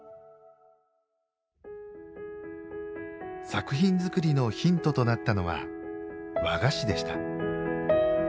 作品づくりのヒントとなったのは和菓子でした。